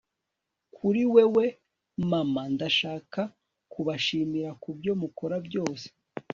kuri wewe mama, ndashaka kubashimira kubyo mukora byose